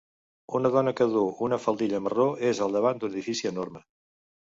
Una dona que duu una faldilla marró és al davant d'un edifici enorme.